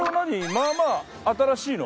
まあまあ新しいの？